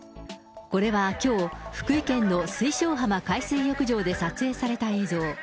これはきょう、福井県の水晶浜海水浴場で撮影された映像。